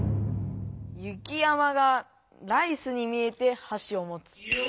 「雪山がライスに見えてはしを持つ」。